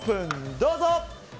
どうぞ。